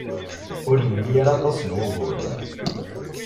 Ur nli ara aṭas n wuguren.